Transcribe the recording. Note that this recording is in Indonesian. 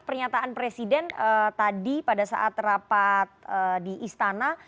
pernyataan presiden tadi pada saat rapat di istana